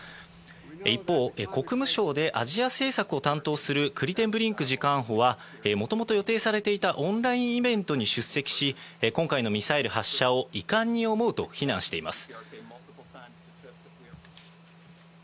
一方、国務省でアジア政策を担当するクリテンブリンク次官補はもともと予定されていたオンラインイベントに出席し、今回のミサイル発射を遺憾に思うと非難しています。